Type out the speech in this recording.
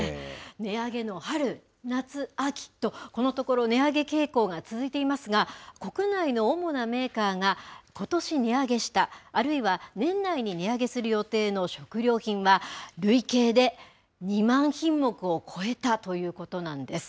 値上げの春、夏、秋と、このところ、値上げ傾向が続いていますが、国内の主なメーカーが、ことし値上げした、あるいは年内に値上げする予定の食料品は、累計で２万品目を超えたということなんです。